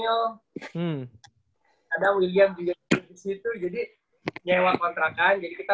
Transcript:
kadang william juga nginep disitu